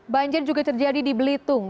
banjir juga terjadi di belitung